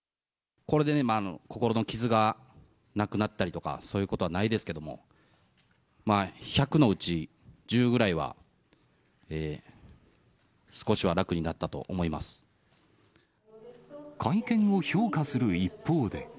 これでね、心の傷がなくなったりとか、そういうことはないですけども、１００のうち１０ぐらいは、会見を評価する一方で。